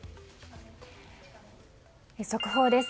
速報です。